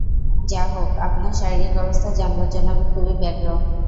যা হোক, আপনার শারীরিক অবস্থা জানবার জন্য আমি খুবই ব্যগ্র।